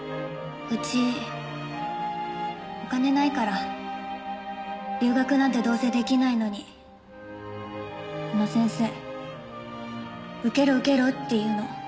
うちお金ないから留学なんてどうせ出来ないのにあの先生受けろ受けろって言うの。